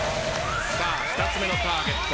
さあ２つ目のターゲット。